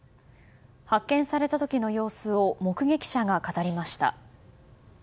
発見された時の様子を目撃者が語りました。